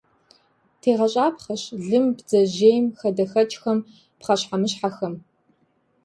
ТегъэщӀапхъэщ лым, бдзэжьейм, хадэхэкӀхэм, пхъэщхьэмыщхьэхэм.